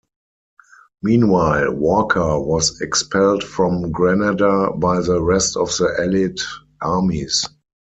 Meanwhile, Walker was expelled from Granada by the rest of the allied armies.